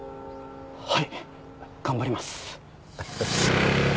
はい頑張ります。